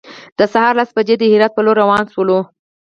د سهار لس بجې د هرات په لور روان شولو.